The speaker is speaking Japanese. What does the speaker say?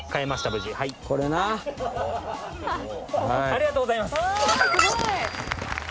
ありがとうございます。